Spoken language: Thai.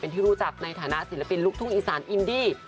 ที่รู้จักในฐานะศิลปินลูกทุ่งอีสานอินดี้